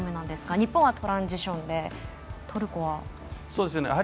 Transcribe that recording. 日本はトランジションでトルコは？